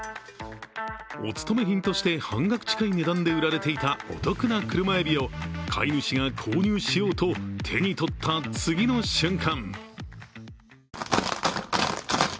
おつとめ品として半額近い値段で売られていたお得な車エビを飼い主が購入しようと手に取った次の瞬間